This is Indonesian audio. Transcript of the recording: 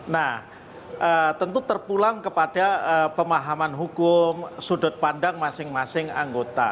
nah tentu terpulang kepada pemahaman hukum sudut pandang masing masing anggota